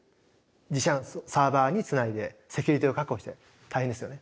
自社サーバーにつないでセキュリティーを確保して大変ですよね。